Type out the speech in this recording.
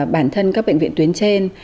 bản thân các bệnh viện tuyến trên